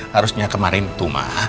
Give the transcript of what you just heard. harusnya kemarin tuma